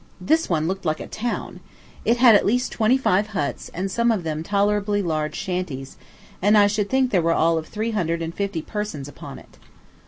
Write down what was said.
This one looked like a town. It had at least twenty five huts, and some of them tolerably large shanties; and I should think there were all of three hundred and fifty persons upon it.